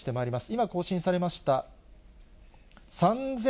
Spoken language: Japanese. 今、更新されました。